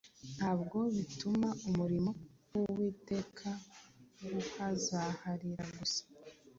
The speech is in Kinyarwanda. ntabwo bituma umurimo w’Uwiteka uhazaharira gusa;